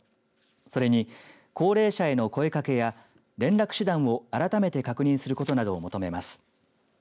それに、高齢者への声かけや連絡手段を改めて確認することなどを求めます。